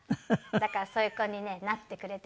だからそういう子にねなってくれていますね。